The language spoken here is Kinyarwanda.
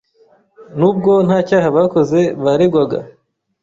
Nubwo nta cyaha bakoze, baregwaga.